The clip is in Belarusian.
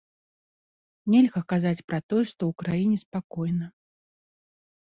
Нельга казаць пра тое, што ў краіне спакойна.